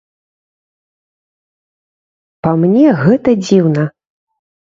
Па мне, гэта дзіўна.